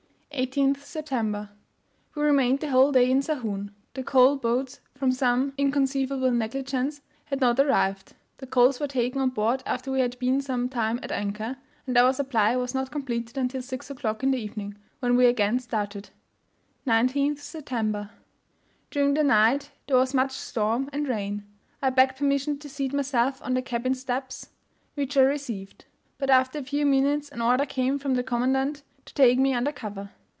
18th September. We remained the whole day in Sahun. The coal boats, from some inconceivable negligence, had not arrived; the coals were taken on board after we had been some time at anchor, and our supply was not completed until 6 o'clock in the evening, when we again started. 19th September. During the night there was much storm and rain. I begged permission to seat myself on the cabin steps, which I received; but, after a few minutes, an order came from the commandant to take me under cover.